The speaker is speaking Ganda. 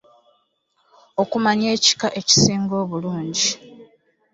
Okumanya ekika ekisinga obulungi.